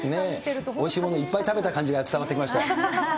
おいしいものいっぱい食べた感じが伝わってきました。